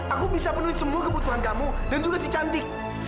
aku bisa penuhi semua kebutuhan kamu dan juga si cantik